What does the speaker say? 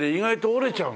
折れちゃう。